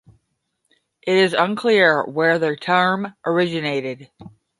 It is unclear where the term originated.